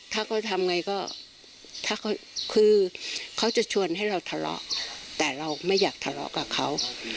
ถ้าเขาทำไงก็คือเขาจะชวนให้เราทะเลาะแต่เราไม่อยากทะเลาะกับเขา